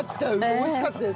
美味しかったです。